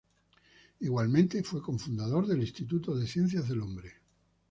Igualmente fue cofundador del Instituto de Ciencias del Hombre.